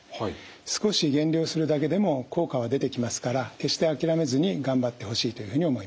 少し減量するだけでも効果は出てきますから決して諦めずに頑張ってほしいというふうに思います。